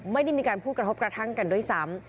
ไม่ได้มีการพูดกระทบกระทั่งกันด้วยซ้ำ